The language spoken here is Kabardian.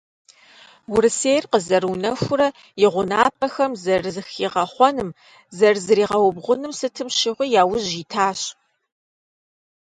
Урысейр къызэрыунэхурэ и гъунапкъэхэм зэрыхигъэхъуным, зэрызригъэубгъуным сытым щыгъуи яужь итащ.